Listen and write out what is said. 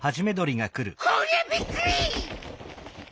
こりゃびっくり！